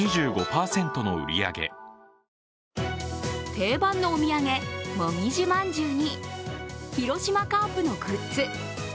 定番のお土産、もみじ饅頭に広島カープのグッズ